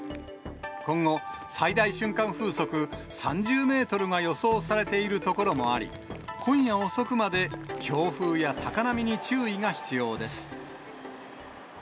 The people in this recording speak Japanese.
今後、最大瞬間風速３０メートルが予想されている所もあり、今夜遅くまで強風や高波に注意が必要です。